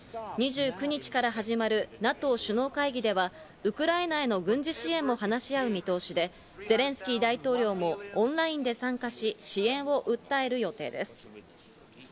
２９日から始まるＮＡＴＯ首脳会議ではウクライナへの軍事支援も話し合う見通しで、ゼレンスキー大統領もオンラインで参加し、支援を訴える予定です。